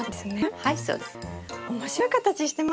はいそうですね。